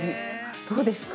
どうですか。